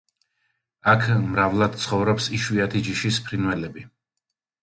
აქ მრავლად ცხოვრობს იშვიათი ჯიშის ფრინველები.